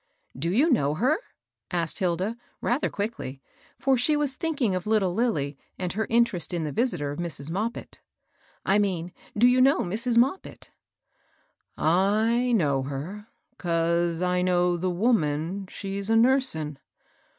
'*" Do you know her ?" asked Hilda, rather quickly, for she was thinking of little Lilly, and her interest in the visitor of Mrs. Moppit, —I mean do you know Mrs. Moppit ?"" I know her, 'cause I know the woman she's a nursin.'